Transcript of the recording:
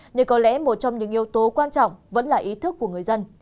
nhưng có lẽ một trong những yếu tố quan trọng vẫn là ý thức của người dân